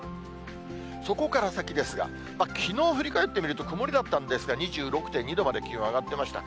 そこから先ですが、きのう振り返ってみると、曇りだったんですが、２６．２度まで気温上がっていました。